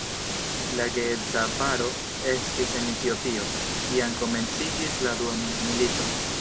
La geedza paro estis en Etiopio, kiam komenciĝis la dua mondmilito.